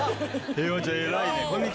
平和ちゃん偉いね！